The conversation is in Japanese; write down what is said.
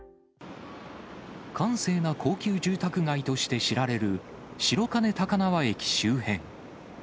閑静な高級住宅街として知られる白金高輪駅周辺。